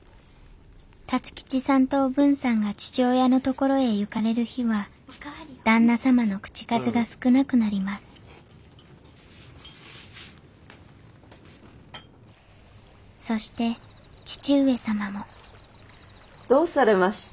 辰吉さんとおぶんさんが父親の所へ行かれる日は旦那様の口数が少なくなりますそして義父上様もどうされました？